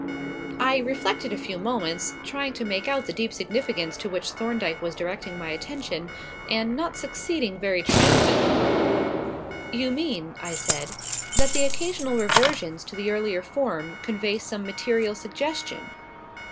I reflected a few moments, trying to make out the deep significance to which Thorndyke was directing my attention and not succeeding very triumphantly. "You mean," I said, "that the occasional reversions to the earlier form convey some material suggestion?"